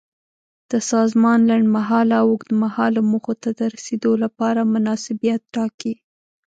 د سازمان لنډمهاله او اوږدمهاله موخو ته د رسیدو لپاره مناسبیت ټاکي.